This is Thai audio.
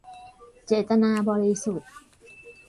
เจตนาบริสุทธิ์